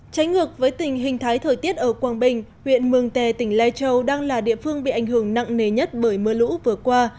tránh ngược với tình hình thái thời tiết ở quang bình huyện mường tè tỉnh lai châu đang là địa phương bị ảnh hưởng nặng nề nhất bởi mưa lũ vừa qua